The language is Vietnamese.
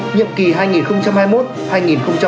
nhiệm kỳ hai nghìn hai mươi một hai nghìn hai mươi năm